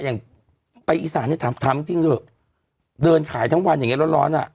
อย่างไปอีสานเนี่ยถามจริงเดินขายทั้งวันอย่างงี้ร้อนน่ะ